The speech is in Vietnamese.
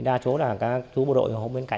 đa số là các chú bộ đội hôm bên cạnh